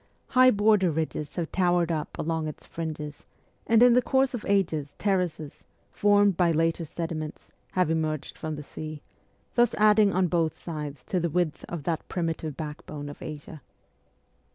High border ridges have towered up along its fringes, and in the course of ages terraces, formed by later sedi ments, have emerged from the sea, thus adding on both sides to the width of that primitive backbone of Asia.